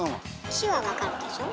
「し」は分かるでしょ？